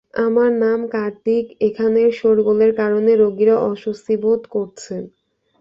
আমার নাম কার্তিক, এখানের শোরগোলের কারণে রোগীরা অস্বস্তি বোধ করছেন।